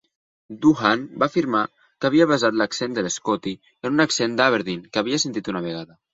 Doohan va afirmar que havia basat l'accent de l'Scotty en un accent d'Aberdeen que havia sentit una vegada.